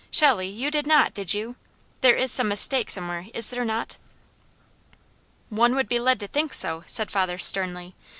Shelley, you did not, did you? There is some mistake somewhere, is there not '" "One would be led to think so," said father sternly.